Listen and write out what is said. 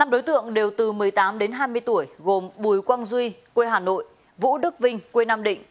năm đối tượng đều từ một mươi tám đến hai mươi tuổi gồm bùi quang duy quê hà nội vũ đức vinh quê nam định